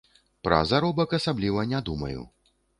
Пра заробак асабліва не думаю.